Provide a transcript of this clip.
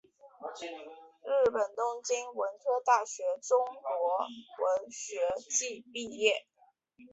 日本东京文科大学中国文学系毕业。